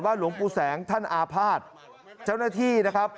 หลวงปู่แสงท่านอาภาษณ์เจ้าหน้าที่นะครับ